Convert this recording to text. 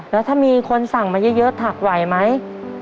แล้วถ้ามีคนสั่งมาเยอะถักไหวไหม